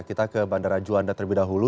kita ke bandara juanda terlebih dahulu